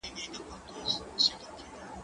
زه سبزیجات نه جمع کوم!.